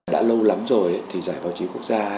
đã lâu lắm rồi thì giải báo chí quốc gia